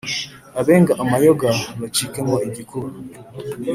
abenga amayoga bacikemo igikuba.